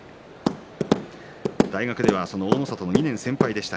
大学では大の里の２年先輩でした。